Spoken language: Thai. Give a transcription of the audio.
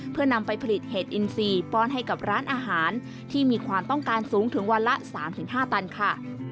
เพื่อนำไปผลิตเห็ดอินซีป้อนให้กับร้านอาหารที่มีความต้องการสูงถึงวันละ๓๕ตันค่ะ